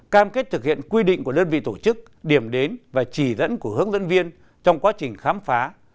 cam kết thực hiện quy định của đơn vị tổ chức điểm đến và chỉ dẫn của hướng dẫn viên trong quá trình khám phá